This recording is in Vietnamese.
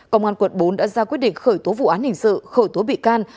công an quận bốn đã ra quyết định khởi tố vụ án hình sự khởi tố bị can